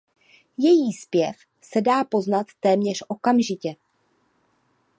Její zpěv se dá poznat téměř okamžitě.